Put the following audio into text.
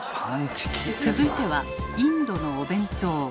続いてはインドのお弁当。